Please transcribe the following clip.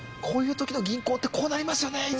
こういう時の銀行ってこうなりますよね